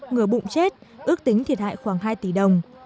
ngừa bụng chết ước tính thiệt hại khoảng hai tỷ đồng